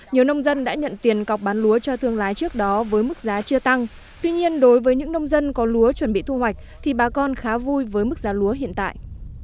nhiều nông dân đã nhận tiền cọc bán lúa cho thương lái trước đó với mức giá chưa tăng tuy nhiên đối với những nông dân có lúa chuẩn bị thu hoạch thì bà con khá vui với mức giá lúa hiện tại